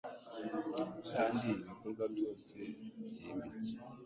kandi ibikorwa byose byimbitse